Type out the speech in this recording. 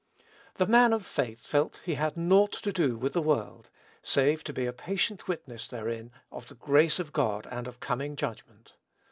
The man of faith felt he had naught to do with the world, save to be a patient witness therein of the grace of God and of coming judgment.